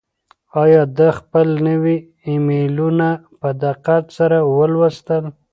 آیا ده خپل نوي ایمیلونه په دقت سره ولوستل؟